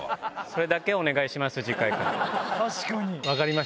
それだけお願いします次回から。